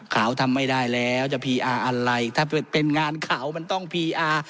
ทำไม่ได้แล้วจะพีอาร์อะไรถ้าเป็นงานขาวมันต้องพีอาร์